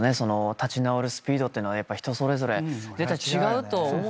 立ち直るスピードってのは人それぞれ絶対違うと思いますから。